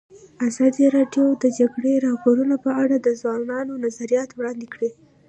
ازادي راډیو د د جګړې راپورونه په اړه د ځوانانو نظریات وړاندې کړي.